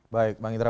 baik mbak ngitra